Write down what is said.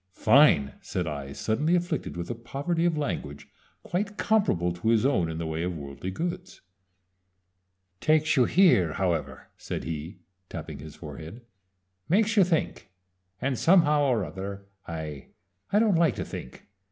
"Fine!" said I, suddenly afflicted with a poverty of language quite comparable to his own in the way of worldly goods. "Takes you here, however," said he, tapping his forehead. "Makes you think and somehow or other I I don't like to think.